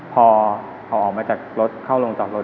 พอออกมาจากรถเข้าโรงจอดรถ